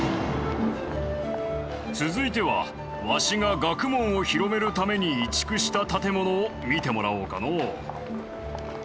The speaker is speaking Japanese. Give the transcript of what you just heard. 続いてはわしが学問を広めるために移築した建物を見てもらおうかのう。